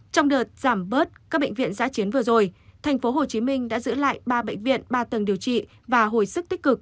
trong đợt giảm bớt các bệnh viện giã chiến vừa rồi tp hcm đã giữ lại ba bệnh viện ba tầng điều trị và hồi sức tích cực